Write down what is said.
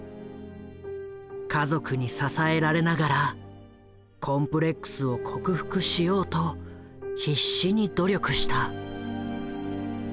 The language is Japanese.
家族に支えられながらコンプレックスを克服しようと必死に努力した。